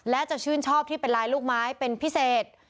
และจะชื่นชอบที่เป็นลายลูกไม้เป็นพิเศษ